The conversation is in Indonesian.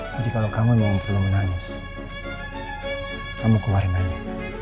jadi kalau kamu memang perlu menangis kamu keluarin aja